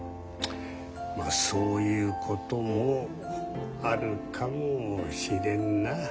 まあそういうこともあるかもしれんな。